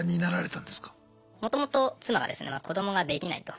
もともと妻がですね子どもができないと。